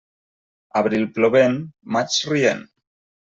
Abril plovent, maig rient.